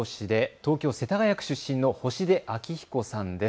東京世田谷区出身の星出彰彦さんです。